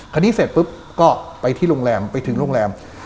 เสร็จปุ๊บก็ไปที่โรงแรมไปถึงโรงแรม